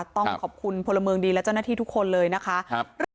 ต้องขอบคุณพลเมืองดีและเจ้าหน้าที่ทุกคนเลยนะคะ